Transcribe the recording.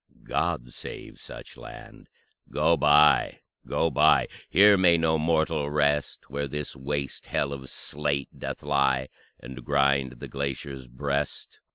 God save such land! Go by, go by: Here may no mortal rest, Where this waste hell of slate doth lie And grind the glacier's breast.